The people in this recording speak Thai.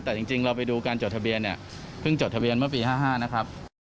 แต่จริงเราไปดูการจดทะเบียนเนี่ยเพิ่งจดทะเบียนเมื่อปี๕๕นะครับ